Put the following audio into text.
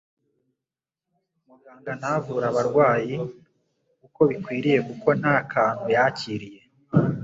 umuganga ntavure abarwayi uko bikwiye kuko nta kantu yakiriye.